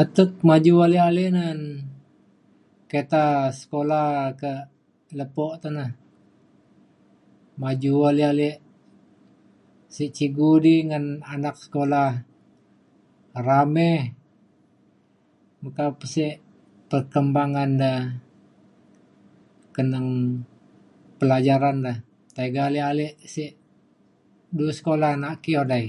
Atek maju ale ale na kata sekula kak lepo te na. Maju ale ale si cikgu di ngan anak sekula rame meka pe sek perkembangan de keneng pelajaran re. Tiga ale ale sek dulu sekula nak ki odai.